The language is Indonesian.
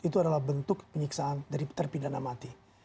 itu adalah bentuk penyiksaan dari terpidana mati